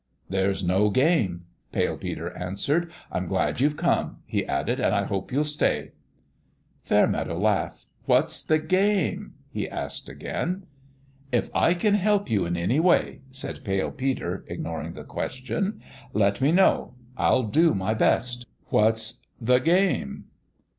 "There's no game," Pale Peter answered. "I'm glad you've come," he added, "and I hope you'll stay." Fairmeadow laughed. " What's the game ?" he asked again. " If I can help you in any way," said Pale Peter, ignoring the question, " let me know. I'll do my best." "What's the game?"